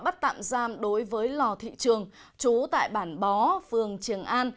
và bắt tạm giam đối với lò thị trường trú tại bản bó phường trường an